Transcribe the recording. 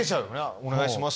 「お願いします